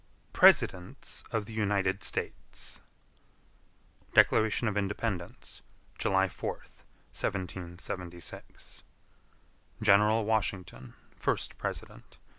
PRESIDENTS OF THE UNITED STATES. Declaration of Independence July 4th, 1776 General Washington, first President.